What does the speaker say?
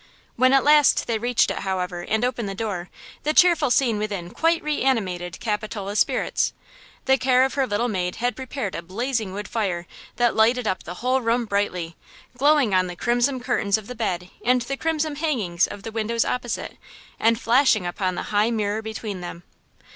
When at last they reached it, however, and opened the door, the cheerful scene within quite reanimated Capitola's spirits. The care of her little maid had prepared a blazing wood fire that lighted up the whole room brightly, glowing on the crimson curtains of the bed and the crimson hangings of the windows opposite and flashing upon the high mirror between them.